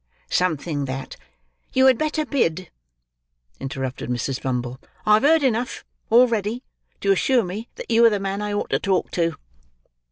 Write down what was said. Something that—" "You had better bid," interrupted Mrs. Bumble. "I have heard enough, already, to assure me that you are the man I ought to talk to."